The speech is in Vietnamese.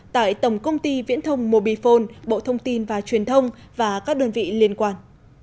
tại tổng công ty viễn thông mobifone bộ thông tin và truyền thông và các đơn vị liên quan